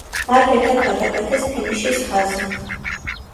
მათ ერთდ გადაკვეთეს ფინიშის ხაზი.